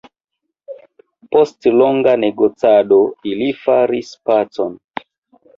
Post longa negocado ili faris pacon.